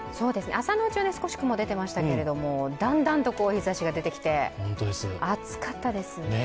朝のうちは少し雲出てましたけどだんだんと日ざしが出てきて、暑かったです。